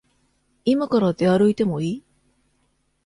いまから出歩いてもいい？